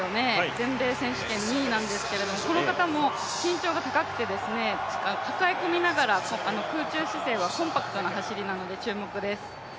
全米選手権２位なんですけれども、この人も身長が高くて、しかも抱え込みながら空中姿勢はコンパクトな走りなので注目です。